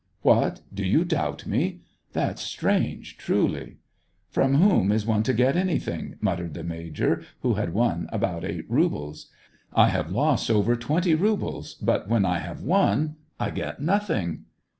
" What, do you doubt me } That's strange, truly !"" From whom is one to get anything }" mut tered the major, who had won about eight rubles. *' I have lost over twenty rubles, but when I have won — I get nothing."